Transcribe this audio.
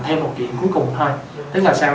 thêm một chuyện cuối cùng thôi tức là sao